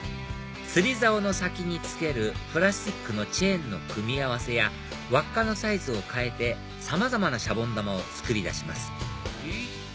釣りざおの先につけるプラスチックのチェーンの組み合わせや輪っかのサイズを変えてさまざまなシャボン玉を作り出します